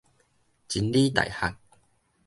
真理大學